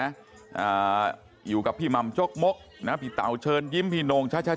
อ่าอยู่กับพี่มัมชกมกนะฮะพี่เตาเชิญยิ้มพี่โน่งช่า